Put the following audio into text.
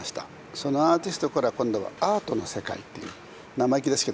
そのアーティストから今度はアートな世界っていう、生意気ですけ